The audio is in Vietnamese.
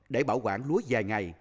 để bảo quản lúa dài ngày